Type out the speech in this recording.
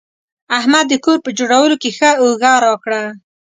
احمد د کور په جوړولو کې ښه اوږه راکړه.